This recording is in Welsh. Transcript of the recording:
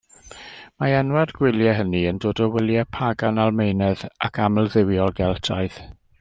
Mae enwau'r gwyliau hynny yn dod o wyliau pagan Almaenaidd ac amldduwiol Geltaidd.